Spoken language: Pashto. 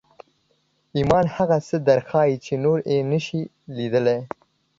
ایمان هغه څه درښيي چې نور یې نشي لیدلی